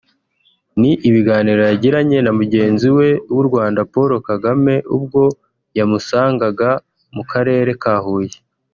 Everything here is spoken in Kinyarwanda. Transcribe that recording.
ni ibiganiro yagiranye na mugenzi we w’u Rwanda Paul Kagame ubwo yamusangaga mu karere ka Huye